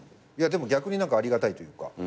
でも逆にありがたいというか。